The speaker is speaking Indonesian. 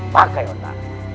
pak khe yota